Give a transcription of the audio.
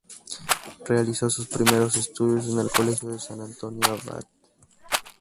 Realizó sus primeros estudios en el colegio de San Antonio Abad.